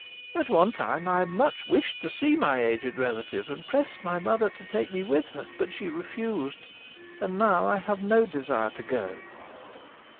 At one time I much wished to see my aged relative, and pressed my mother to take me with her; but she refused, and now I have no desire to go."